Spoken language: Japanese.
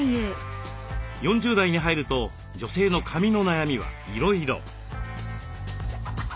４０代に入ると女性の髪の悩みはいろいろ。